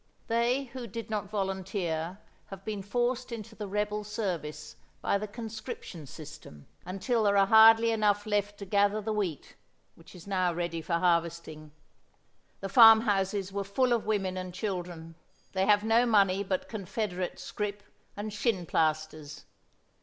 They who did not volunteer have been forced into the rebel service by the conscription system, until there are hardly enough left to gather the wheat, which is now ready for harvesting. The farmhouses were full of women and children. They have no money but Confederate scrip and 'shin plasters.'